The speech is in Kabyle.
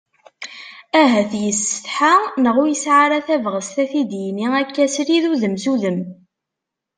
Ahat yessetḥa, neɣ ur yesɛi ara tabɣest a t-id-yini akka srid udem s udem.